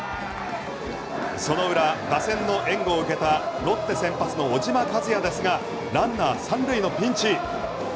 その裏、打線の援護を受けたロッテ先発の小島和哉ですがランナー３塁のピンチ。